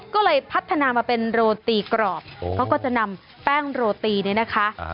ก็เลยพัฒนามาเป็นโรตีกรอบเขาก็จะนำแป้งโรตีเนี่ยนะคะ